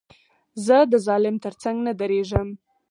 زه د ظالم تر څنګ نه درېږم.